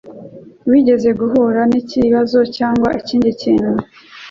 Wigeze guhura nikibazo cyangwa ikindi kintu?